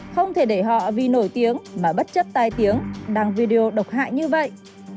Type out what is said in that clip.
không thể để họ vì nổi tiếng mà bất chấp tai tiếng đăng video độc hại như vậy